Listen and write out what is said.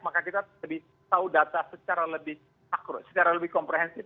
maka kita lebih tahu data secara lebih makro secara lebih komprehensif